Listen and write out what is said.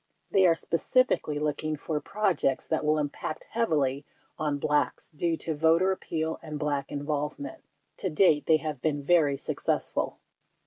They are specifically looking for pro j ects that will impact heavily on Blacks due to voter appeal and Black involvement. To date, they have been very success ful.